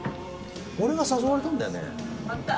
俺が誘われたんだよね？